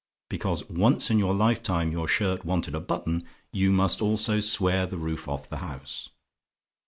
"Because ONCE in your lifetime your shirt wanted a button you must almost swear the roof off the house!